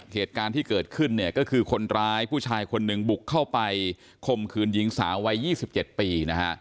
เหตุการณ์ที่เกิดขึ้นเนี่ยก็คือคนร้ายผู้ชายคนหนึ่งบุกเข้าไปคมคืนหญิงสาววัย๒๗ปีนะฮะ